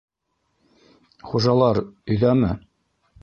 Хужалар... өйҙәме?